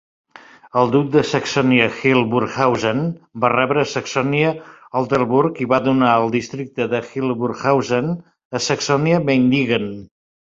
El duc de Saxònia-Hildburghausen va rebre Saxònia-Altenburg, i va donar el districte de Hildburghausen a Saxònia-Meiningen.